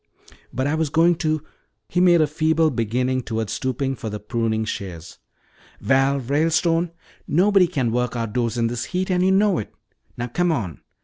"But I was going to " He made a feeble beginning toward stooping for the pruning shears. "Val Ralestone, nobody can work outdoors in this heat, and you know it. Now come on.